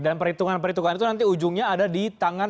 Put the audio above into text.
dan perhitungan perhitungan itu nanti ujungnya ada di tangan